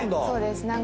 そうです。